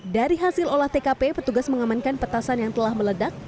dari hasil olah tkp petugas mengamankan petasan yang telah meledak